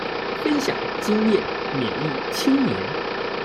分享經驗勉勵青年